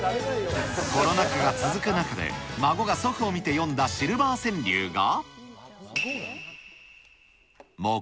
コロナ禍が続く中で、孫が祖父を見て詠んだシルバー川柳が。